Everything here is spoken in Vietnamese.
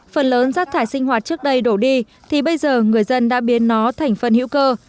phần lớn rác thải sinh hoạt trước đây đổ đi thì bây giờ người dân đã biến nó thành phân hữu cơ